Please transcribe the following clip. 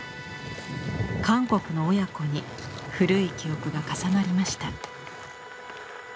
韓国の親子に古い記憶が重なりました。